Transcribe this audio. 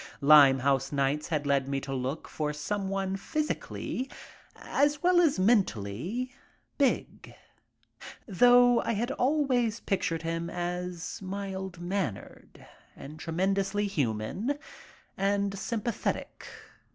'* Limehouse Nights" had led me to look for some one physically, as well as mentally, big, though I had always pictured him as mild mannered and tremendously human and sympathetic.